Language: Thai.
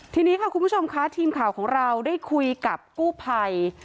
ทีนี้ค่ะคุณผู้ชมค่ะทีมข่าวของเราได้คุยกับกู้ภัย